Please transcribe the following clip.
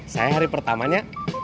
saya hari pertamanya